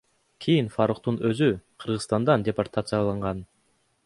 Кийин Фаруктун өзү Кыргызстандан департацияланган.